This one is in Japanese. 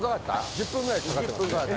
１０分ぐらいかかってますね。